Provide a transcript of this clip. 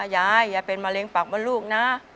ยายยายเป็นมะเร็งปากมดลูกนะ